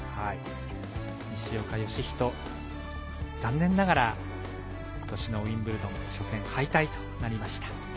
西岡良仁、残念ながら今年のウィンブルドン初戦敗退となりました。